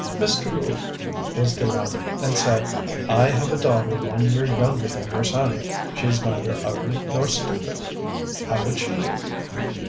Mr. Hu was delighted, and said, "I have a daughter one year younger than your son; she is neither ugly nor stupid. How would she do?"